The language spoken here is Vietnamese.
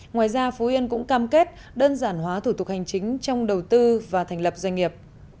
ngoài ra phú yên cũng cam kết đơn giản hóa thủ tục hành chính trong đầu tư và thành lập doanh nghiệp